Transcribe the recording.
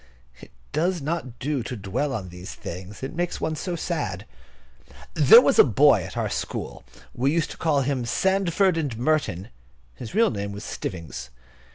It does not do to dwell on these things; it makes one so sad. There was a boy at our school, we used to call him Sandford and Merton. His real name was Stivvings.